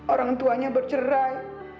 orang tuanya bercerai